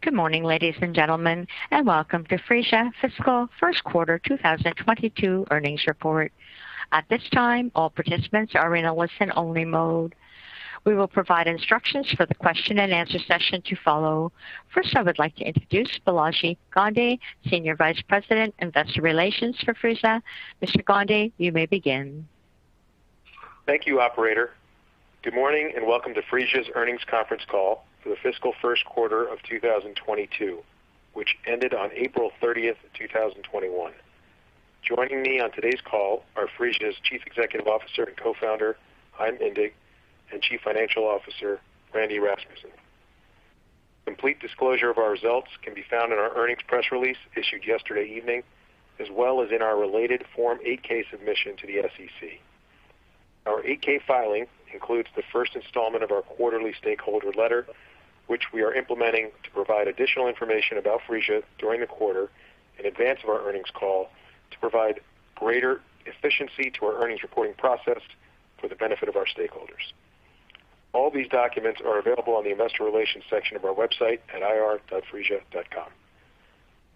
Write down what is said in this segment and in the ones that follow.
Good morning, ladies and gentlemen, and welcome to Phreesia Fiscal Q1 2022 Earnings Report. At this time, all participants are in a listen-only mode. We will provide instructions for the question and answer session to follow. First, I would like to introduce Balaji Gandhi, Senior Vice President, Investor Relations for Phreesia. Mr. Gandhi, you may begin. Thank you, operator. Good morning, and welcome to Phreesia's Earnings Conference Call for the Fiscal Q1 of 2022, which ended on April 30th, 2021. Joining me on today's call are Phreesia's Chief Executive Officer and Co-founder, Chaim Indig, and Chief Financial Officer, Randy Rasmussen. Complete disclosure of our results can be found in our earnings press release issued yesterday evening, as well as in our related Form 8-K submission to the SEC. Our 8-K filing includes the first installment of our quarterly stakeholder letter, which we are implementing to provide additional information about Phreesia during the quarter in advance of our earnings call to provide greater efficiency to our earnings reporting process for the benefit of our stakeholders. All these documents are available on the Investor Relations section of our website at ir.phreesia.com.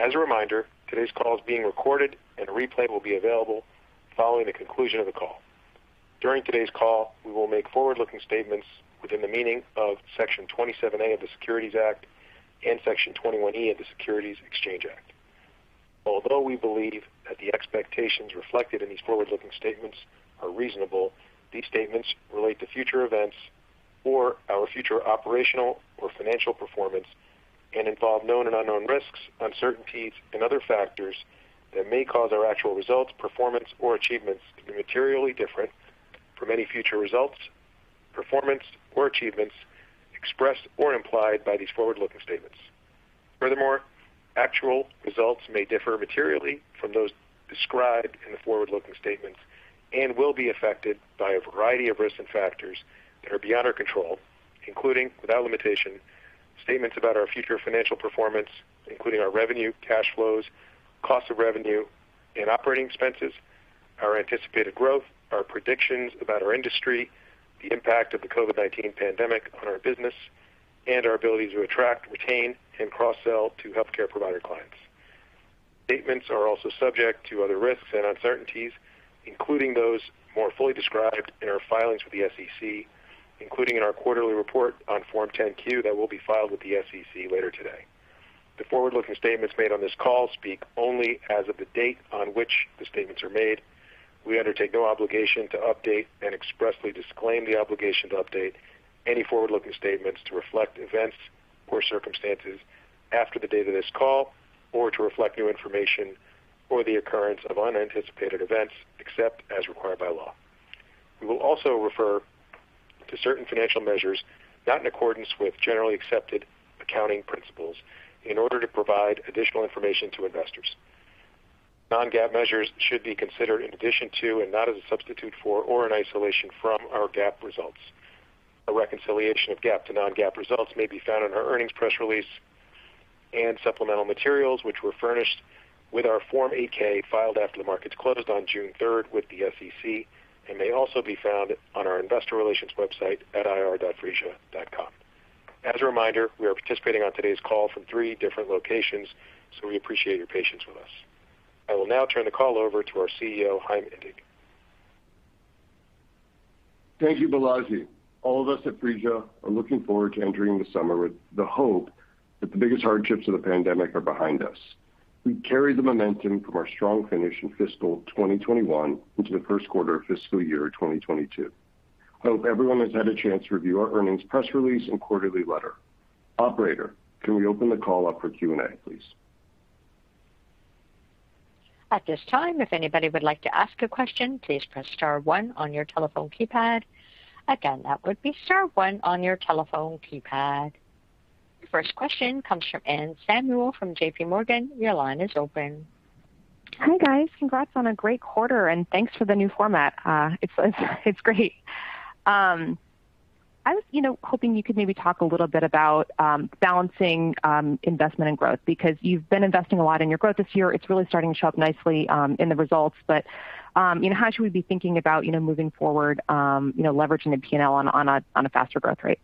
As a reminder, today's call is being recorded, and a replay will be available following the conclusion of the call. During today's call, we will make forward-looking statements within the meaning of Section 27A of the Securities Act and Section 21E of the Securities Exchange Act. Although we believe that the expectations reflected in these forward-looking statements are reasonable, these statements relate to future events or our future operational or financial performance and involve known and unknown risks, uncertainties, and other factors that may cause our actual results, performance, or achievements to be materially different from any future results, performance, or achievements expressed or implied by these forward-looking statements. Furthermore, actual results may differ materially from those described in the forward-looking statements and will be affected by a variety of risks and factors that are beyond our control, including, without limitation, statements about our future financial performance, including our revenue, cash flows, cost of revenue, and operating expenses, our anticipated growth, our predictions about our industry, the impact of the COVID-19 pandemic on our business, and our ability to attract, retain, and cross-sell to healthcare provider clients. Statements are also subject to other risks and uncertainties, including those more fully described in our filings with the SEC, including our quarterly report on Form 10-Q that will be filed with the SEC later today. The forward-looking statements made on this call speak only as of the date on which the statements are made. We undertake no obligation to update and expressly disclaim the obligation to update any forward-looking statements to reflect events or circumstances after the date of this call or to reflect new information or the occurrence of unanticipated events, except as required by law. We will also refer to certain financial measures not in accordance with Generally Accepted Accounting Principles in order to provide additional information to investors. Non-GAAP measures should be considered in addition to and not as a substitute for or an isolation from our GAAP results. A reconciliation of GAAP to Non-GAAP results may be found in our earnings press release and supplemental materials, which were furnished with our Form 8-K filed after the markets closed on June 3rd with the SEC and may also be found on our investor relations website at ir.phreesia.com. As a reminder, we are participating on today's call from three different locations, so we appreciate your patience with us. I will now turn the call over to our CEO, Chaim Indig. Thank you, Balaji. All of us at Phreesia are looking forward to entering the summer with the hope that the biggest hardships of the pandemic are behind us. We carry the momentum from our strong finish in fiscal 2021 into the Q1 of FY 2022. I hope everyone has had a chance to review our earnings press release and quarterly letter. Operator, can we open the call up for Q&A, please? Your first question comes from Anne Samuel from JPMorgan. Your line is open. Hi, guys. Congrats on a great quarter, and thanks for the new format. It's great. I was hoping you could maybe talk a little bit about balancing investment and growth, because you've been investing a lot in your growth this year. It's really starting to show up nicely in the results. How should we be thinking about moving forward, leveraging the P&L on a faster growth rate?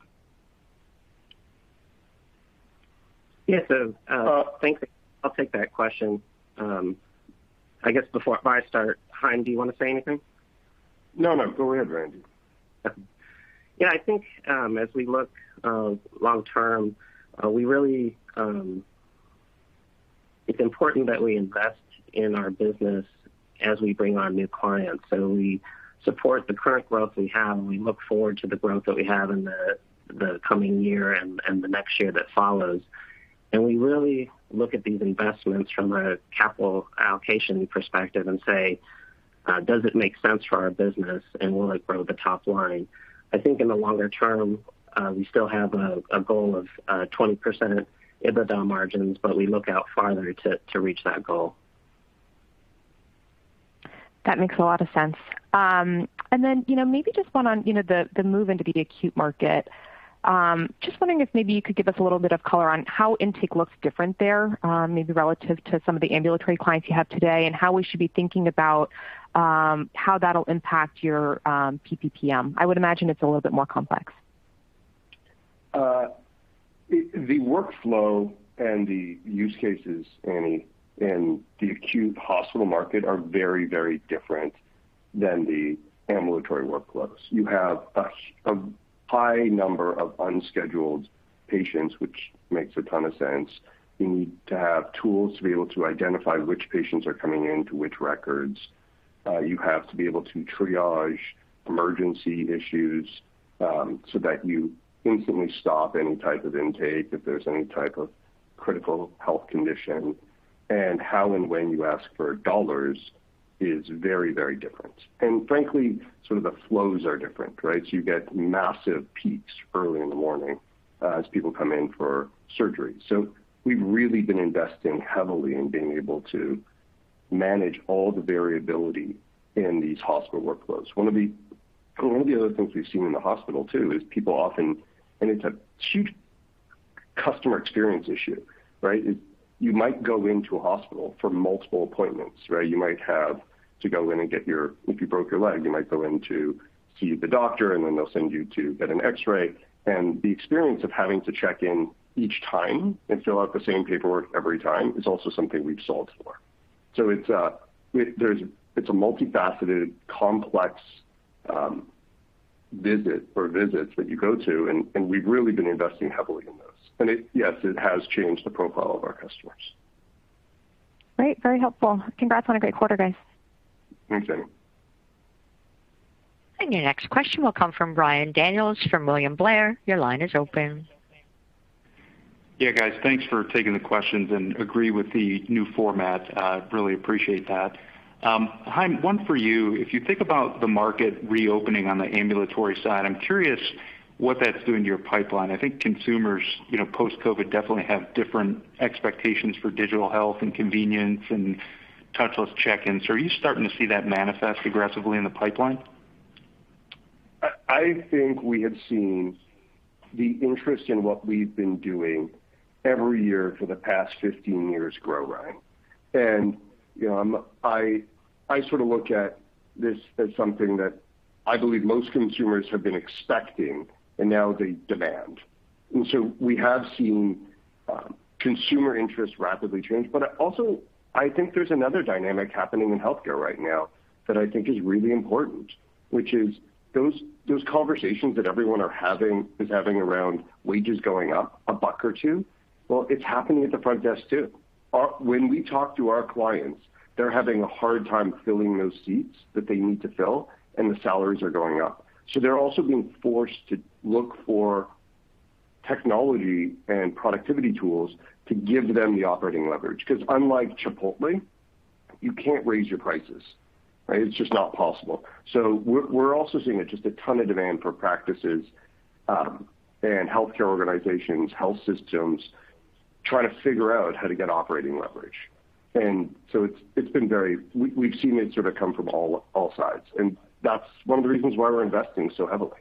Yeah. Thanks. I'll take that question. I guess before I start, Chaim, do you want to say anything? No, go ahead, Randy. Yeah, as we look long-term, it's important that we invest in our business as we bring on new clients. We support the current growth we have, and we look forward to the growth that we have in the coming year and the next year that follows. We really look at these investments from a capital allocation perspective and say, "Does it make sense for our business, and will it grow the top line?" I think in the longer term, we still have a goal of 20% EBITDA margins, but we look out farther to reach that goal. That makes a lot of sense. Maybe just on the move into the acute market. Just wondering if maybe you could give us a little bit of color on how intake looks different there, maybe relative to some of the ambulatory clients you have today, and how we should be thinking about how that'll impact your PPPM. I would imagine it's a little bit more complex. The workflow and the use cases in the acute hospital market are very, very different than the ambulatory workflows. You have a high number of unscheduled patients, which makes a ton of sense. You need to have tools to be able to identify which patients are coming in to which records. You have to be able to triage emergency issues, so that you instantly stop any type of intake if there's any type of critical health condition. How and when you ask for dollars is very, very different. Frankly, the flows are different, right? You get massive peaks early in the morning as people come in for surgery. We've really been investing heavily in being able to manage all the variability in these hospital workflows. It's a huge customer experience issue, right? You might go into a hospital for multiple appointments, right? If you broke your leg, you might go in to see the doctor, and then they'll send you to get an X-ray. The experience of having to check in each time and fill out the same paperwork every time is also something we've solved for. It's a multifaceted, complex visit or visits that you go to, and we've really been investing heavily in this. Yes, it has changed the profile of our customers. Great. Very helpful. Congrats on a great quarter, guys. Thanks, Anne Samuel. Your next question will come from Ryan Daniels from William Blair. Your line is open. Yeah, guys. Thanks for taking the questions, and agree with the new format. Really appreciate that. Chaim, one for you. If you think about the market reopening on the ambulatory side, I'm curious what that's doing to your pipeline. I think consumers, post-COVID, definitely have different expectations for digital health and convenience and touchless check-ins. Are you starting to see that manifest aggressively in the pipeline? I think we have seen the interest in what we've been doing every year for the past 15 years grow, right? I look at this as something that I believe most consumers have been expecting and now they demand. We have seen consumer interest rapidly change. There's another dynamic happening in healthcare right now that I think is really important, which is those conversations that everyone is having around wages going up a buck or two, well, it's happening at the front desk, too. When we talk to our clients, they're having a hard time filling those seats that they need to fill, and the salaries are going up. They're also being forced to look for technology and productivity tools to give them the operating leverage. Because unlike Chipotle, you can't raise your prices, right? It's just not possible. We're also seeing just a ton of demand for practices, and healthcare organizations, health systems, trying to figure out how to get operating leverage. We've seen it sort of come from all sides, and that's one of the reasons why we're investing so heavily.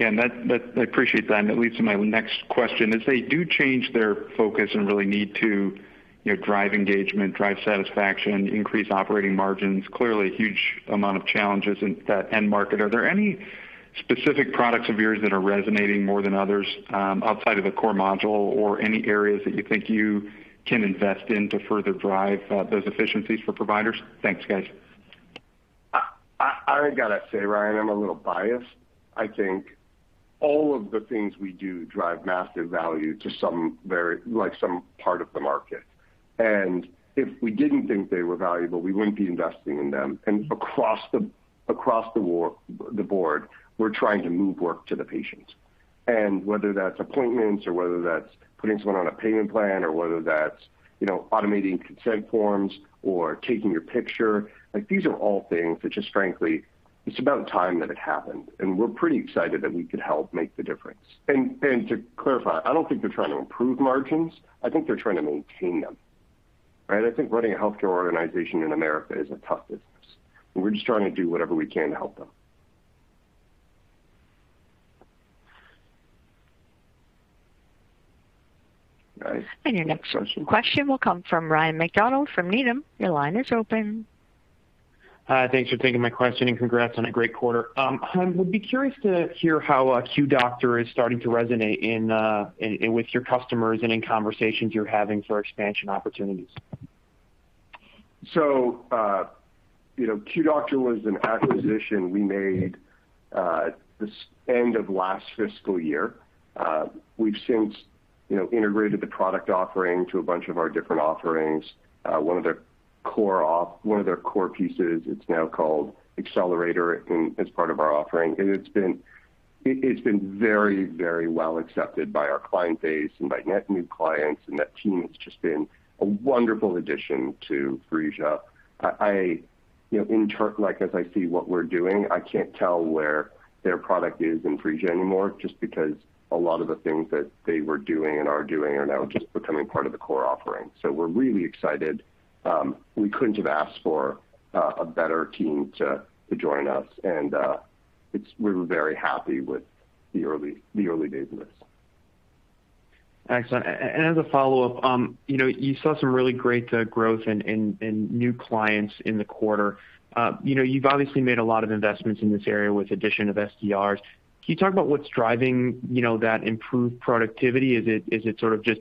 I appreciate that, and it leads to my next question. If they do change their focus and really need to drive engagement, drive satisfaction, increase operating margins, clearly a huge amount of challenges in that end market, are there any specific products of yours that are resonating more than others outside of the core module or any areas that you think you can invest in to further drive those efficiencies for providers? Thanks, guys. I got to say, Ryan, I'm a little biased. All of the things we do drive massive value to some part of the market. If we didn't think they were valuable, we wouldn't be investing in them. Across the board, we're trying to move work to the patients. Whether that's appointments or whether that's putting someone on a payment plan or whether that's automating consent forms or taking a picture, these are all things which is frankly, it's about time that it happened. We're pretty excited that we could help make the difference. To clarify, I don't think they're trying to improve margins. I think they're trying to maintain them. Right? Running a healthcare organization in America is a tough business. We're just trying to do whatever we can to help them. Your next question will come from Ryan MacDonald from Needham. Your line is open. Hi. Thanks for taking my question, and congrats on a great quarter. Chaim, would be curious to hear how QueueDr is starting to resonate in with your customers and in conversations you're having for expansion opportunities. QueueDr was an acquisition we made this end of last fiscal year. We've since integrated the product offering to a bunch of our different offerings. One of their core pieces, it's now called Accelerator, as part of our offering. It's been very, very well accepted by our client base and by net new clients, and that team has just been a wonderful addition to Phreesia. As I see what we're doing, I can't tell where their product is in Phreesia anymore, just because a lot of the things that they were doing and are doing are now just becoming part of the core offering. We're really excited. We couldn't have asked for a better team to join us, and we're very happy with the early business. Excellent. As a follow-up, you saw some really great growth in new clients in the quarter. You've obviously made a lot of investments in this area with the addition of SDRs. Can you talk about what's driving that improved productivity? Is it sort of just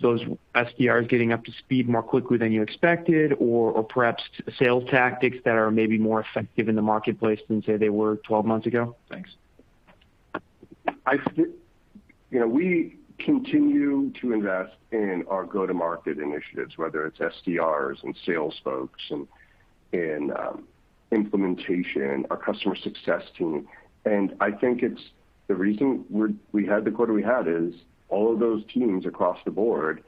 those SDRs getting up to speed more quickly than you expected, or perhaps sales tactics that are maybe more effective in the marketplace than, say, they were 12 months ago? Thanks. We continue to invest in our go-to-market initiatives, whether it's SDRs and sales folks and implementation, our customer success team. I think the reason we had the quarter we had is all of those teams across the board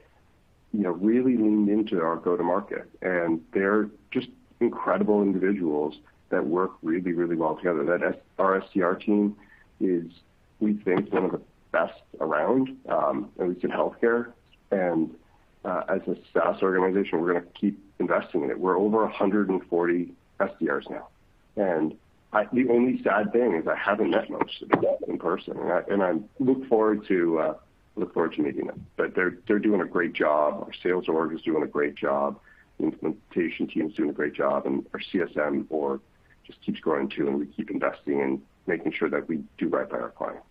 really leaned into our go-to-market, and they're just incredible individuals that work really well together. That SDR team is, we think, one of the best around at least in healthcare. As a sales organization, we're going to keep investing in it. We're over 140 SDRs now, and the only sad thing is I haven't met most of them in person, and I look forward to meeting them. They're doing a great job. Our sales org is doing a great job. The implementation team's doing a great job, and our CSM org just keeps growing too, and we keep investing in making sure that we do right by our clients.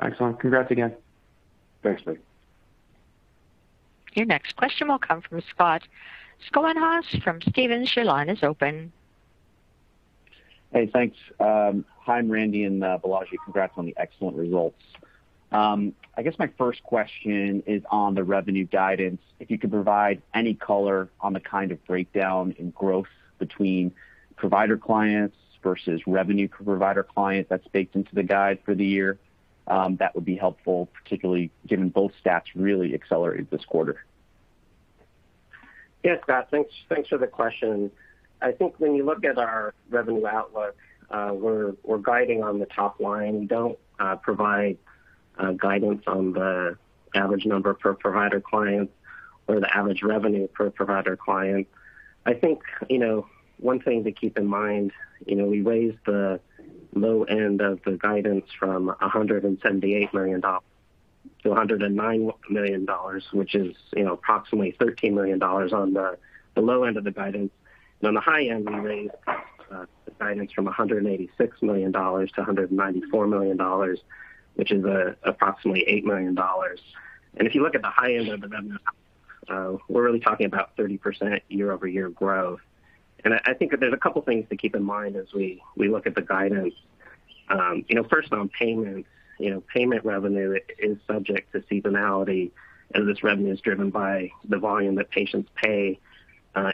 Excellent. Congrats again. Thanks. Your next question will come from Scott Schoenhaus from Stephens. Your line is open. Hey, thanks. Chaim, Randy, and Balaji, congrats on the excellent results. I guess my first question is on the revenue guidance. If you could provide any color on the kind of breakdown in growth between provider clients versus revenue per provider client that's baked into the guide for the year, that would be helpful, particularly given both stats really accelerated this quarter. Yes, Scott, thanks for the question. When you look at our revenue outlook, we're guiding on the top line. We don't provide guidance on the average number per provider client or the average revenue per provider client. I think, one thing to keep in mind, we raised the low end of the guidance from $178 million to $109 million, which is approximately $13 million on the low end of the guidance. On the high end, we raised the guidance from $186 million to $194 million, which is approximately $8 million. If you look at the high end of the number, we're really talking about 30% year-over-year growth. I think that there's a couple things to keep in mind as we look at the guidance. First, on payment revenue is subject to seasonality, and this revenue is driven by the volume that patients pay.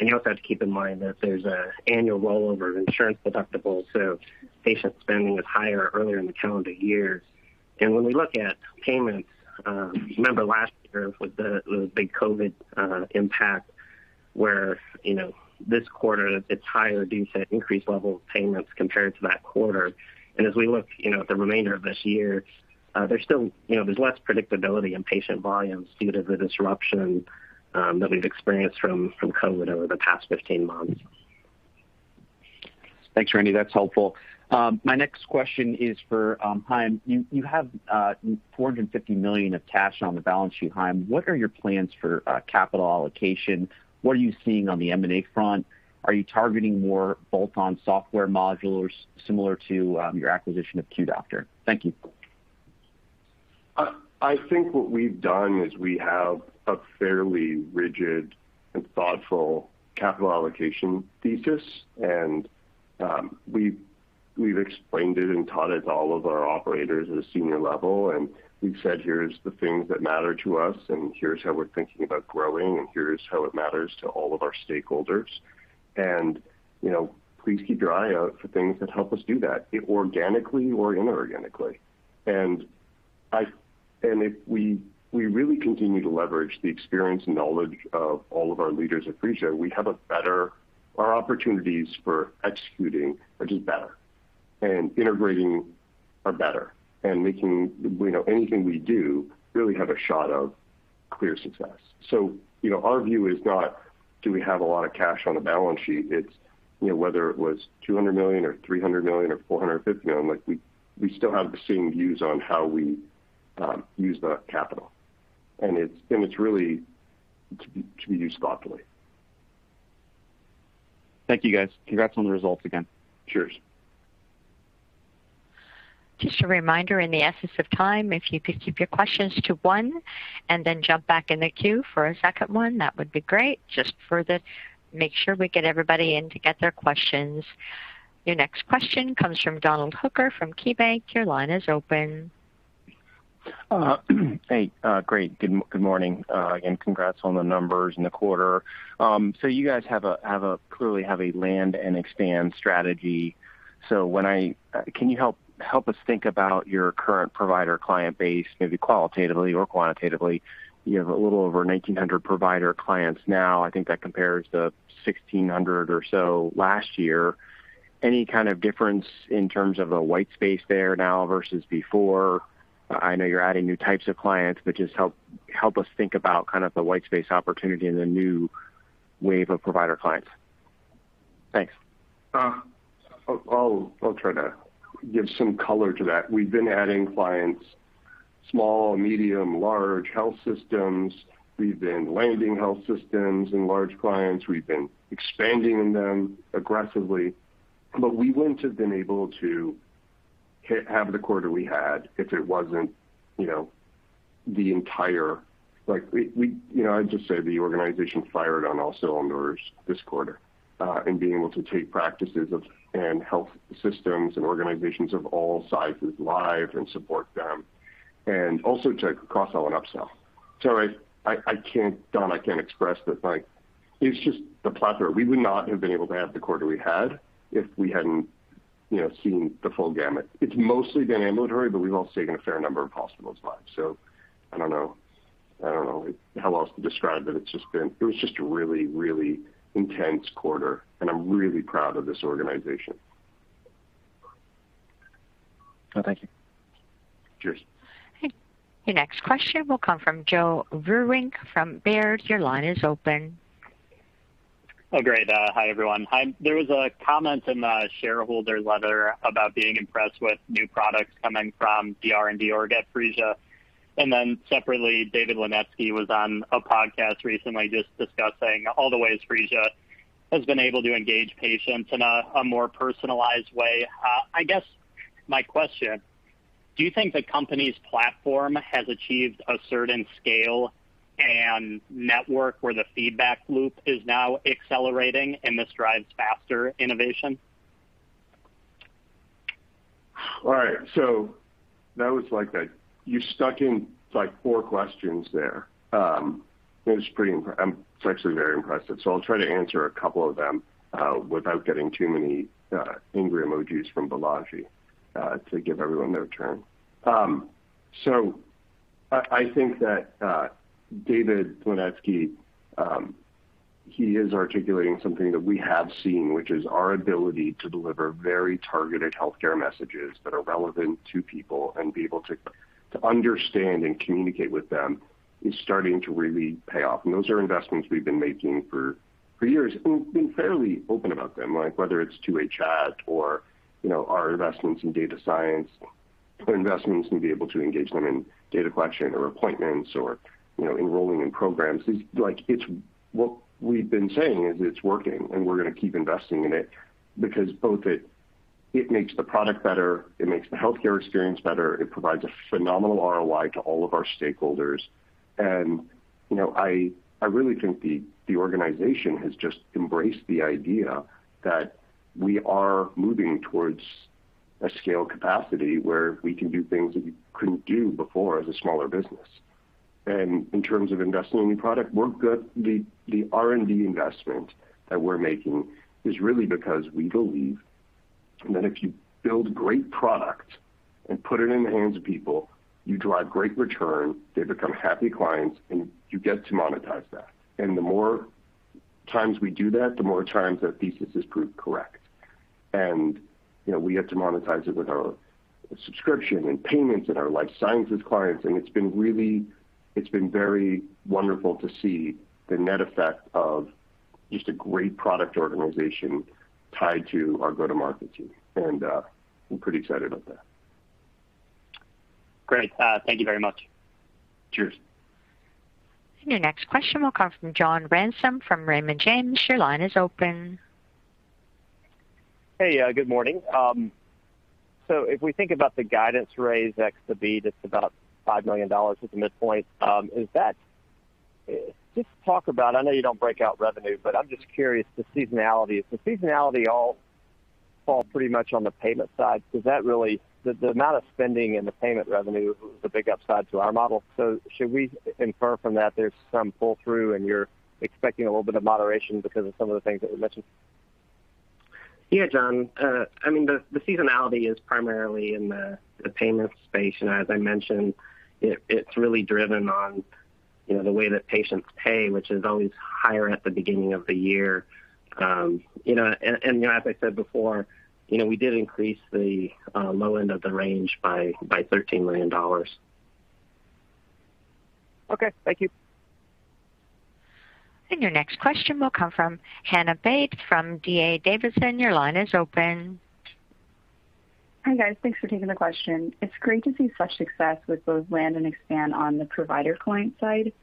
You also have to keep in mind that there's an annual rollover of insurance deductibles, so patient spending is higher earlier in the calendar year. When we look at payments, remember last year with the big COVID-19 impact, where this quarter it's higher due to increased levels of payments compared to that quarter. As we look at the remainder of this year, there's less predictability in patient volumes due to the disruption that we've experienced from COVID-19 over the past 15 months. Thanks, Randy. That's helpful. My next question is for Chaim. You have $450 million of cash on the balance sheet, Chaim. What are your plans for capital allocation? What are you seeing on the M&A front? Are you targeting more bolt-on software modules similar to your acquisition of QueueDr? Thank you. I think what we've done is we have a fairly rigid and thoughtful capital allocation thesis, and we've explained it and taught it to all of our operators at a senior level, and we've said, "Here's the things that matter to us, and here's how we're thinking about growing, and here's how it matters to all of our stakeholders." Please keep your eye out for things that help us do that, organically or inorganically. If we really continue to leverage the experience and knowledge of all of our leaders at Phreesia, our opportunities for executing are just better, and integrating are better, and anything we do really have a shot of clear success. Our view is not do we have a lot of cash on the balance sheet, it's whether it was $200 million or $300 million or $450 million, we still have the same views on how we use that capital. It's really to be used thoughtfully. Thank you, guys. Congrats on the results again. Cheers. Just a reminder, in the essence of time, if you could keep your questions to one and then jump back in the queue for a second one, that would be great, just to make sure we get everybody in to get their questions. Your next question comes from Donald Hooker from KeyBank. Your line is open. Hey, great. Good morning. Again, congrats on the numbers and the quarter. You guys clearly have a land and expand strategy. Can you help us think about your current provider client base, maybe qualitatively or quantitatively? You have a little over 1,900 provider clients now. I think that compares to 1,600 or so last year. Any kind of difference in terms of the white space there now versus before? I know you're adding new types of clients, but just help us think about the white space opportunity and the new wave of provider clients. Thanks. I'll try to give some color to that. We've been adding clients, small, medium, large health systems. We've been landing health systems and large clients. We've been expanding them aggressively, but we wouldn't have been able to have the quarter we had if it wasn't, I'd just say the organization fired on all cylinders this quarter, and being able to take practices and health systems and organizations of all sizes live and support them, and also to cross-sell and upsell. Don, I can't express this. It's just the plethora. We would not have been able to have the quarter we had if we hadn't seen the full gamut. It's mostly been ambulatory, but we've also taken a fair number of hospitals live. I don't know how else to describe it. It was just a really, really intense quarter, and I'm really proud of this organization. No, thank you. Cheers. Your next question will come from Joe Vruwink from Baird. Your line is open. Great. Hi, everyone. There was a comment in the shareholder letter about being impressed with new products coming from the R&D org at Phreesia, and then separately, David Linetsky was on a podcast recently just discussing all the ways Phreesia has been able to engage patients in a more personalized way. I guess my question, do you think the company's platform has achieved a certain scale and network where the feedback loop is now accelerating and this drives faster innovation? All right. You stuck in four questions there. I'm actually very impressed. I'll try to answer a couple of them without getting too many angry emojis from Balaji to give everyone their turn. I think that David Linetsky, he is articulating something that we have seen, which is our ability to deliver very targeted healthcare messages that are relevant to people and be able to understand and communicate with them is starting to really pay off. Those are investments we've been making for years and been fairly open about them, like whether it's two-way chat or our investments in data science or investments to be able to engage them in data collection or appointments or enrolling in programs. What we've been saying is it's working, and we're going to keep investing in it because both it makes the product better, it makes the healthcare experience better, it provides a phenomenal ROI to all of our stakeholders. I really think the organization has just embraced the idea that we are moving towards a scale capacity where we can do things that we couldn't do before as a smaller business. In terms of investing in new product, the R&D investment that we're making is really because we believe that if you build great product and put it in the hands of people, you drive great return, they become happy clients, and you get to monetize that. The more times we do that, the more times that thesis is proved correct. We get to monetize it with our subscription and payments and our life sciences clients. It's been very wonderful to see the net effect of just a great product organization tied to our go-to-market team, and I'm pretty excited about that. Great. Thank you very much. Cheers. Your next question will come from John Ransom from Raymond James. Your line is open. Hey. Good morning. If we think about the guidance raise X the B, that's about $5 million at this point. Just talk about, I know you don't break out revenue, but I'm just curious, the seasonality. Does seasonality all fall pretty much on the payment side? The amount of spending in the payment revenue was a big upside to our model. Should we infer from that there's some pull-through, and you're expecting a little bit of moderation because of some of the things that you mentioned? Yeah, John. The seasonality is primarily in the payments space, and as I mentioned, it's really driven on the way that patients pay, which is always higher at the beginning of the year. As I said before, we did increase the low end of the range by $13 million. Okay. Thank you. Your next question will come from Hannah Baade from D.A. Davidson. Your line is open. Hi, guys. Thanks for taking the question. It's great to see such success with both land and expand on the provider client side.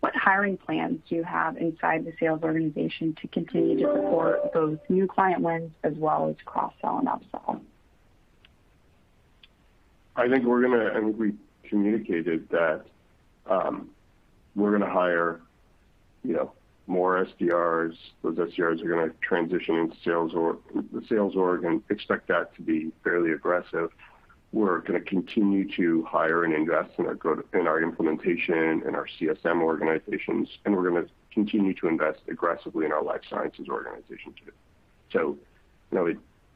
What hiring plans do you have inside the sales organization to continue to support both new client wins as well as cross-sell and upsell? I think we communicated that we're going to hire more SDRs. Those SDRs are going to transition into the sales org and expect that to be fairly aggressive. We're going to continue to hire and invest in our implementation and our CSM organizations, and we're going to continue to invest aggressively in our life sciences organization, too.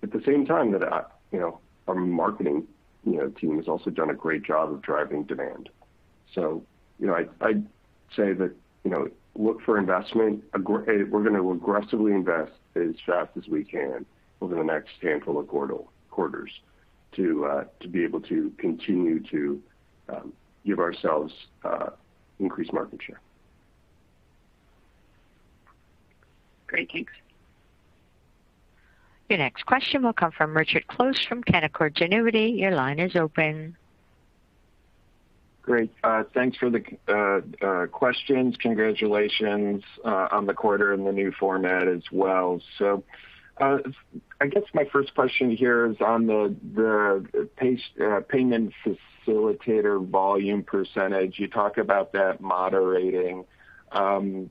At the same time, our marketing team has also done a great job of driving demand. I'd say that look for investment. We're going to aggressively invest as fast as we can over the next handful of quarters to be able to continue to give ourselves increased market share. Great. Thanks. Your next question will come from Richard Close from Canaccord Genuity. Your line is open. Great. Thanks for the questions. Congratulations on the quarter and the new format as well. I guess my first question here is on the payment facilitator volume %. You talk about that moderating. Can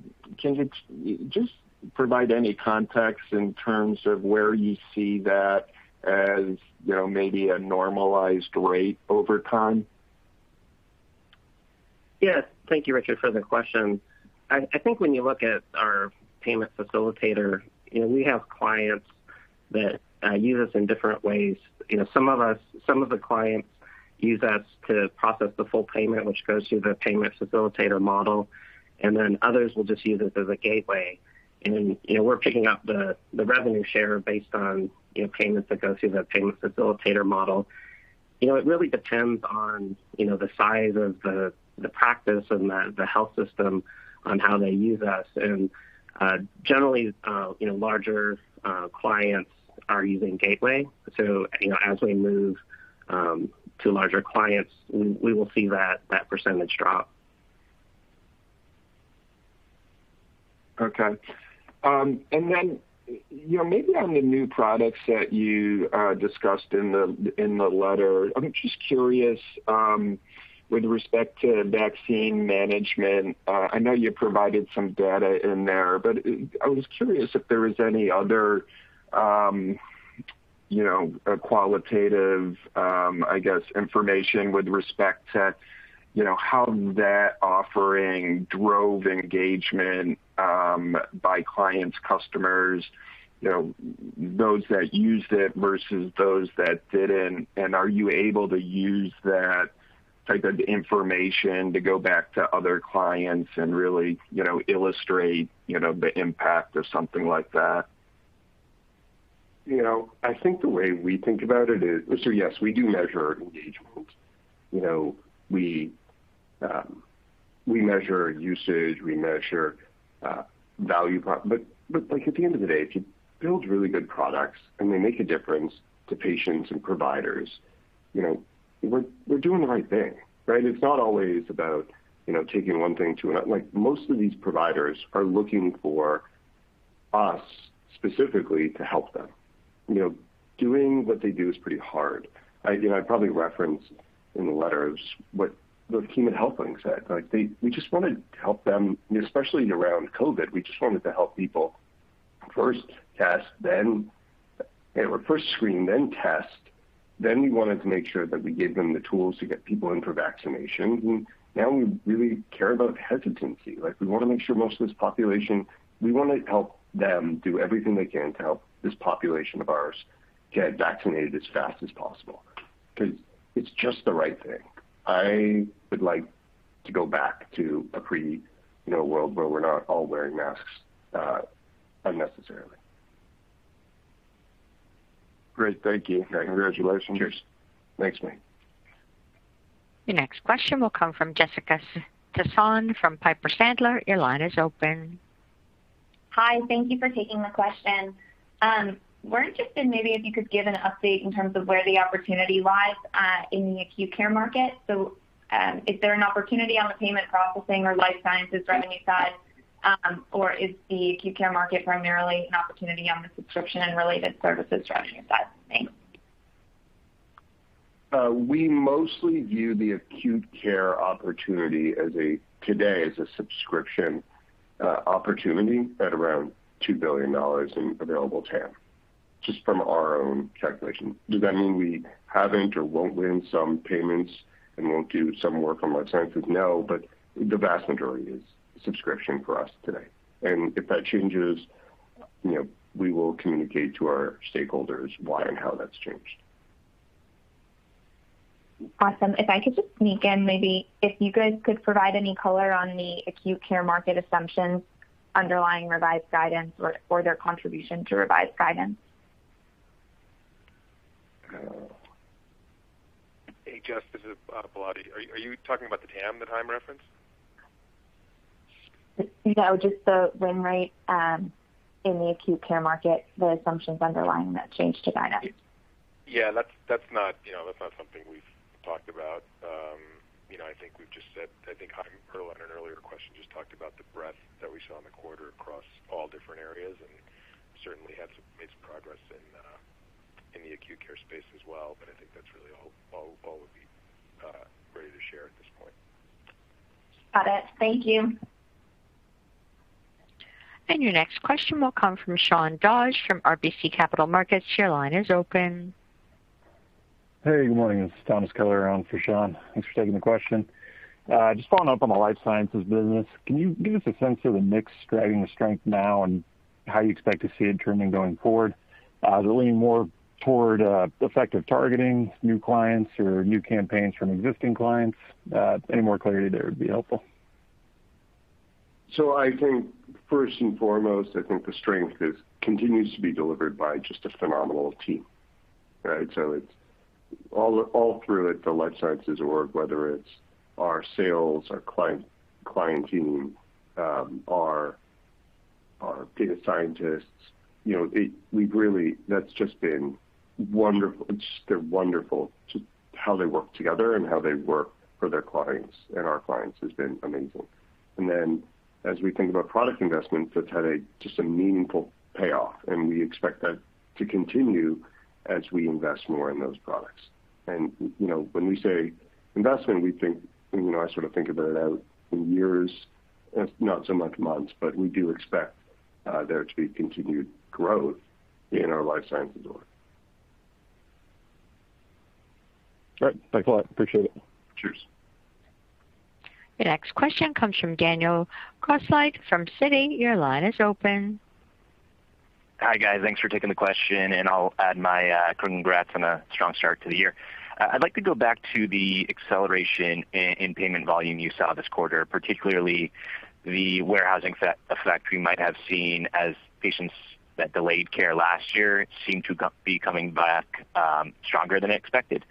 you just provide any context in terms of where you see that as maybe a normalized rate over time? Yes. Thank you, Richard, for the question. I think when you look at our payment facilitator, we have clients that use us in different ways. Some of the clients use us to process the full payment, which goes through the payment facilitator model, and then others will just use us as a gateway. We're picking up the revenue share based on payments that go through the payment facilitator model. It really depends on the size of the practice and the health system on how they use us. Generally, larger clients are using gateway. As we move to larger clients, we will see that percentage drop. Okay. Maybe on the new products that you discussed in the letter, I'm just curious, with respect to vaccine management, I know you provided some data in there, but I was curious if there was any other qualitative information with respect to how that offering drove engagement by clients, customers, those that used it versus those that didn't. Are you able to use that type of information to go back to other clients and really illustrate the impact of something like that? I think the way we think about it is, yes, we do measure engagement. We measure usage, we measure value prop. At the end of the day, if you build really good products and they make a difference to patients and providers, we're doing the right thing, right? It's not always about taking one thing. Most of these providers are looking for us specifically to help them. Doing what they do is pretty hard. I probably referenced in the letters what the greenspace-human health link said. We just want to help them, especially around COVID, we just wanted to help people first screen, test. We wanted to make sure that we gave them the tools to get people in for vaccination. Now we really care about hesitancy. We want to make sure most of this population, we want to help them do everything they can to help this population of ours get vaccinated as fast as possible, because it's just the right thing. I would like to go back to a pre-world where we're not all wearing masks unnecessarily. Great. Thank you. Congratulations. Cheers. Thanks, man. Your next question will come from Jessica Tassan from Piper Sandler. Your line is open. Hi, thank you for taking my question. We're interested maybe if you could give an update in terms of where the opportunity lies in the acute care market. Is there an opportunity on the payment processing or life sciences revenue side, or is the acute care market primarily an opportunity on the subscription and related services revenue side? Thanks. We mostly view the acute care opportunity today as a subscription opportunity at around $2 billion in available TAM, just from our own calculations. Does that mean we haven't or won't win some payments and won't do some work on the census? No, but the vast majority is subscription for us today. If that changes, we will communicate to our stakeholders why and how that's changed. Awesome. If I could just sneak in, maybe if you guys could provide any color on the acute care market assumptions underlying revised guidance or their contribution to revised guidance? Hey, Jessica. It's Balaji. Are you talking about the TAM, the time reference? No, just the run rate in the acute care market, the assumptions underlying that change to guidance. Yeah, that's not something we've talked about. On an earlier question, just talked about the breadth that we saw in the quarter across all different areas, and certainly had some nice progress in the acute care space as well, but I think that's really all we'd be ready to share at this point. Got it. Thank you. Your next question will come from Sean Dodge from RBC Capital Markets. Your line is open. Hey, good morning. It's Sean. Thanks for taking the question. Just following up on the life sciences business, can you give us a sense of the mix driving the strength now and how you expect to see it trending going forward? Is it leaning more toward effective targeting new clients or new campaigns from existing clients? Any more clarity there would be helpful. I think first and foremost, I think the strength continues to be delivered by just a phenomenal team. Right. All through it, the Life Sciences org, whether it's our sales, our client team, our data scientists, that's just been wonderful. Just they're wonderful. Just how they work together and how they work for their clients and our clients has been amazing. As we think about product investments, that's had just a meaningful payoff, and we expect that to continue as we invest more in those products. When we say investment, we think, and I sort of think about it out in years, if not so much months, but we do expect there to be continued growth in our Life Sciences org. All right. Thanks a lot. Appreciate it. Cheers. The next question comes from Daniel Grosslight from Citi. Your line is open. Hi, guys. Thanks for taking the question. I'll add my congrats on a strong start to the year. I'd like to go back to the acceleration in payment volume you saw this quarter, particularly the warehousing effect you might have seen as patients that delayed care last year seem to be coming back stronger than expected.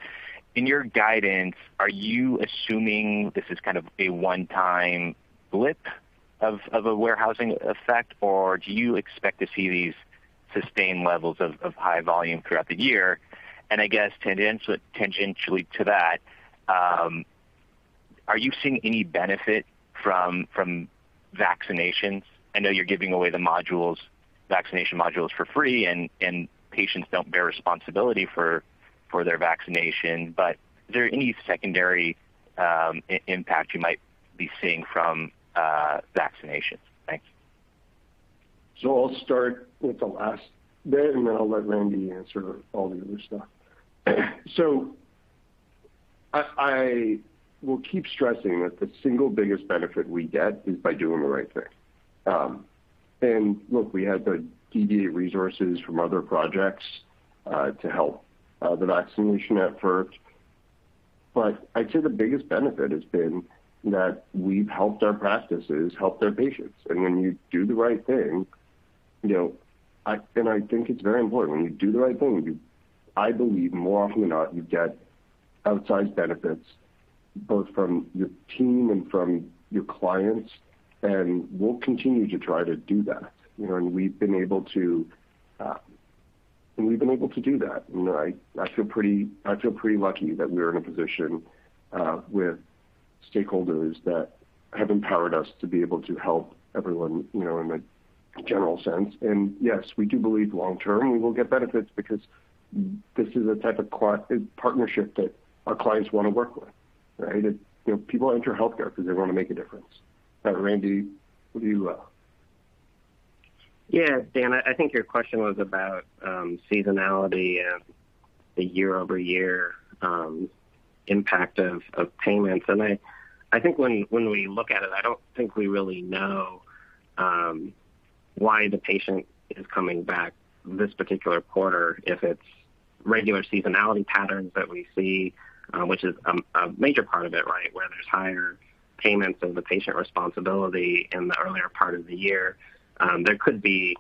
In your guidance, are you assuming this is kind of a one-time blip of the warehousing effect, or do you expect to see these sustained levels of high volume throughout the year? I guess tangentially to that, are you seeing any benefit from vaccinations? I know you're giving away the vaccination modules for free, and patients don't bear responsibility for their vaccination, but is there any secondary impact you might be seeing from vaccinations? Thanks. I'll start with the last bit, and then I'll let Randy answer all the other stuff. I will keep stressing that the single biggest benefit we get is by doing the right thing. Look, we had to deviate resources from other projects to help the vaccination effort. I'd say the biggest benefit has been that we've helped our practices help their patients. I think it's very important, when you do the right thing, I believe more often than not, you get outside benefits both from your team and from your clients, and we'll continue to try to do that. We've been able to do that, and I feel pretty lucky that we are in a position with stakeholders that have empowered us to be able to help everyone in a general sense. Yes, we do believe long term we will get benefits because this is a type of partnership that our clients want to work with, right? People enter healthcare because they want to make a difference. All right, Randy, what do you- Yeah. Dan, I think your question was about seasonality of the year-over-year impact of payments. When we look at it, I don't think we really know why the patient is coming back this particular quarter, if it's regular seasonality patterns that we see, which is a major part of it, right? Where there's higher payments of the patient responsibility in the earlier part of the year. There could be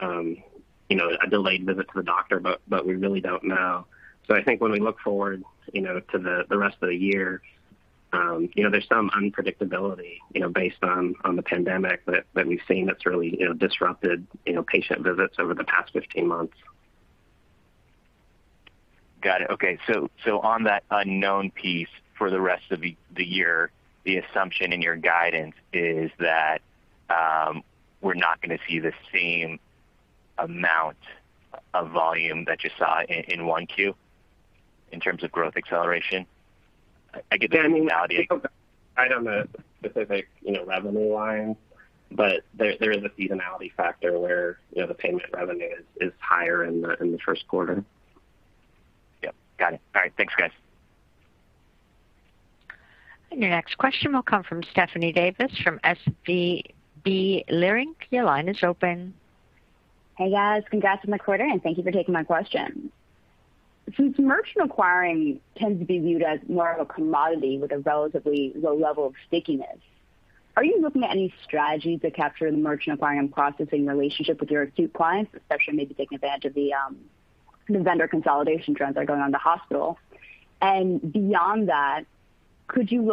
a delayed visit to the doctor, but we really don't know. When we look forward to the rest of the year, there's some unpredictability based on the pandemic that we've seen that's really disrupted patient visits over the past 15 months. Got it. Okay. On that unknown piece for the rest of the year, the assumption in your guidance is that we're not going to see the same amount of volume that you saw in 1Q in terms of growth acceleration? I get the seasonality. I don't know the specific revenue line, but there is a seasonality factor where the payment revenue is higher in the Q1. Yep. Got it. All right. Thanks, guys. The next question will come from Stephanie Davis from SVB Leerink. Your line is open. Hey, guys. Congrats on the quarter. Thank you for taking my question. Since merchant acquiring tends to be viewed as more of a commodity with a relatively low level of stickiness, are you looking at any strategies to capture the merchant acquiring processing relationship with your acute clients, especially maybe take advantage of the vendor consolidation trends that are going on in the hospital? Beyond that, could you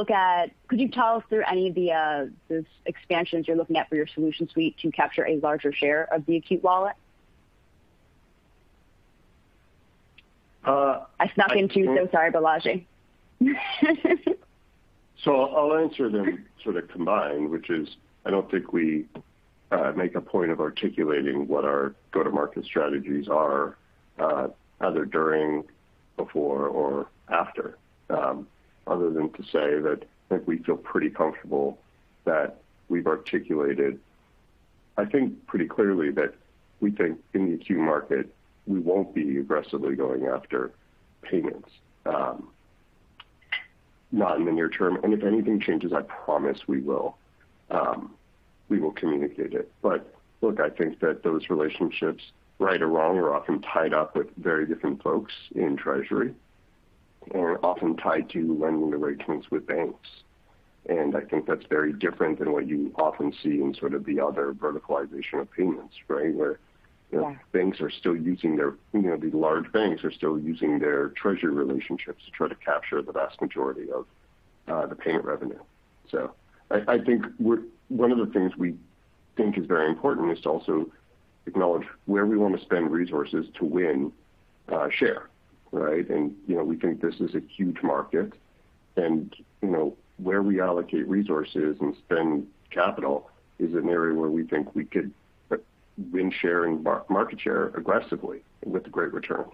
tell us are any of the expansions you're looking at for your solution suite to capture a larger share of the acute wallet? I snuck in too. Sorry, Balaji. I'll answer them sort of combined, which is, I don't think we make a point of articulating what our go-to-market strategies are, either during, before, or after. Other than to say that we feel pretty comfortable that we've articulated, pretty clearly, that we think in the acute market, we won't be aggressively going after payments. Not in the near term. If anything changes, I promise we will communicate it. Look, I think that those relationships, right or wrong, are often tied up with very different folks in treasury and are often tied to lending relationships with banks. That's very different than what you often see in sort of the other verticalization of payments, right? These large banks are still using their treasury relationships to try to capture the vast majority of the payment revenue. I think one of the things we think is very important is to also acknowledge where we want to spend resources to win share, right. We think this is a huge market and where we allocate resources and spend capital is an area where we think we could win sharing market share aggressively and with great returns.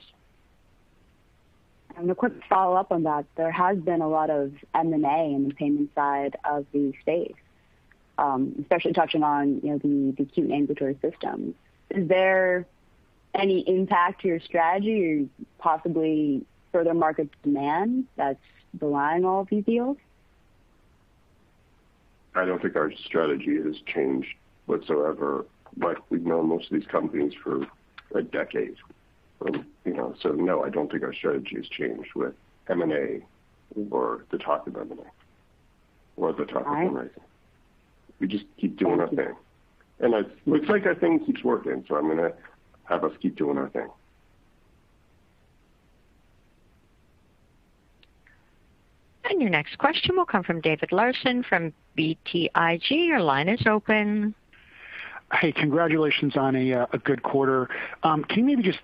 A quick follow-up on that, there has been a lot of M&A in the payment side of the space, especially touching on the two inventory systems. Is there any impact to your strategy or possibly further market demand that's behind all of these deals? I don't think our strategy has changed whatsoever. Like, we've known most of these companies for decades. No, I don't think our strategy has changed with M&A or the talk of M&A. All right. We just keep doing our thing, and it looks like our thing keeps working. I'm going to have us keep doing our thing. Your next question will come from David Larsen from BTIG. Your line is open. Hey, congratulations on a good quarter. Can you just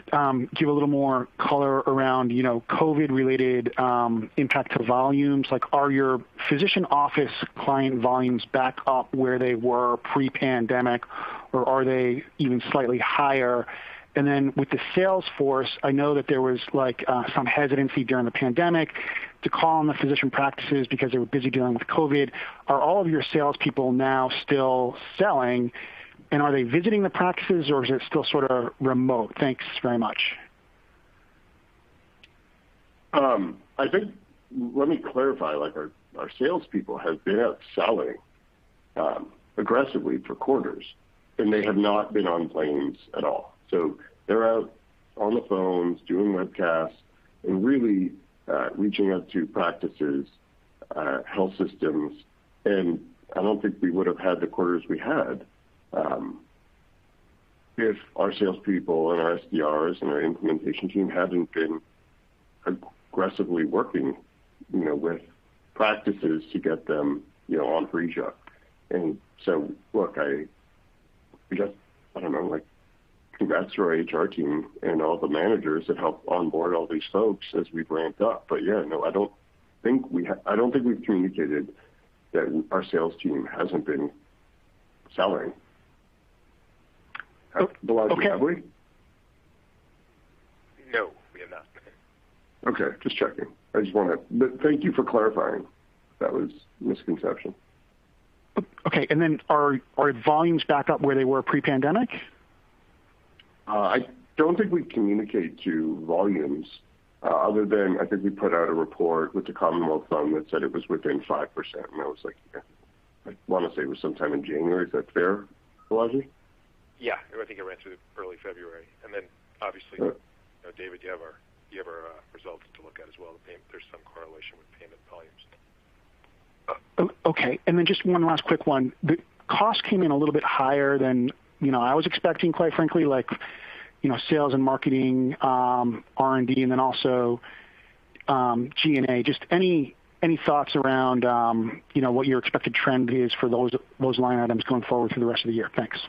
give a little more color around COVID-related impact to volumes? Like, are your physician office client volumes back up where they were pre-pandemic, or are they even slightly higher? Then with the sales force, I know that there was some hesitancy during the pandemic to call on the physician practices because they were busy dealing with COVID. Are all of your salespeople now still selling, and are they visiting the practices, or is it still sort of remote? Thanks very much. I think, let me clarify, our salespeople have been out selling aggressively for quarters, and they have not been on planes at all. They're out on the phones, doing webcasts, and really reaching out to practices, health systems. I don't think we would've had the quarters we had if our salespeople and our SDRs and our implementation team hadn't been aggressively working with practices to get them on Phreesia. Look, I don't know, congrats to our HR team and all the managers that helped onboard all these folks as we ramped up. Yeah, no, I don't think we've communicated that our sales team hasn't been selling. Balaji, have we? No, we have not. Okay. Just checking. Thank you for clarifying. That was a misconception. Okay. Are volumes back up where they were pre-pandemic? I don't think we communicate to volumes other than I think we put out a report with the Commonwealth Fund that said it was within 5%. That was like, I want to say it was sometime in January. Is that fair, Balaji? Yeah. I think it ran through early February, and then obviously, David, you have our results to look at as well. There's some correlation with payment volumes. Okay. Just one last quick one. The cost came in a little bit higher than I was expecting, quite frankly, like sales and marketing, R&D, and also G&A. Just any thoughts around what your expected trend is for those line items going forward for the rest of the year? Thanks.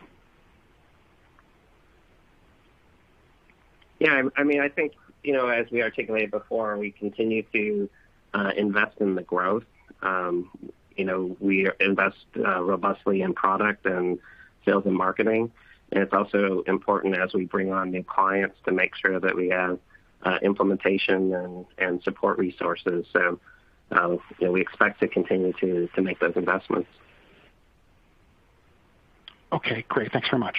I think as we articulated before, we continue to invest in the growth. We invest robustly in product and sales and marketing. It's also important as we bring on new clients to make sure that we have implementation and support resources. We expect to continue to make those investments. Okay, great. Thanks so much.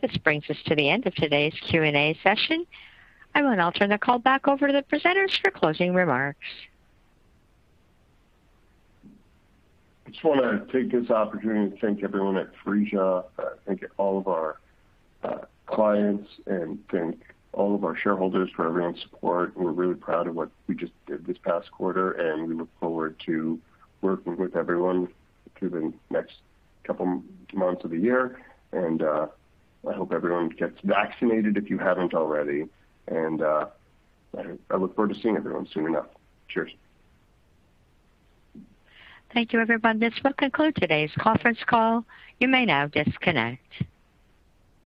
This brings us to the end of today's Q&A session. I will now turn the call back over to the presenters for closing remarks. I just want to take this opportunity to thank everyone at Phreesia, thank all of our clients, and thank all of our shareholders for everyone's support. We're really proud of what we just did this past quarter, and we look forward to working with everyone through the next couple months of the year. I hope everyone gets vaccinated if you haven't already. I look forward to seeing everyone soon enough, cheers. Thank you, everyone. This will conclude today's conference call. You may now disconnect.